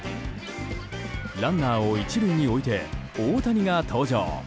ランナーを１塁に置いて大谷が登場。